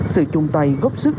sự chung tay góp sức